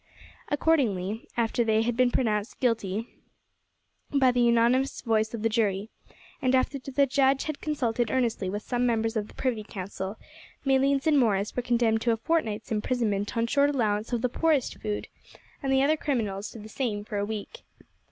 Accordingly, after they had been pronounced guilty by the unanimous voice of the jury, and after the judge had consulted earnestly with some members of the privy council, Malines and Morris were condemned to a fortnight's imprisonment on short allowance of the poorest food, and the other criminals to the same for a week.